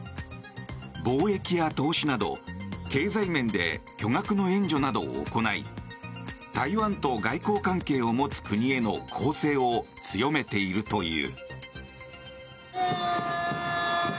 貿易や投資など経済面で巨額の援助などを行い台湾と外交関係を持つ国への攻勢を強めているという。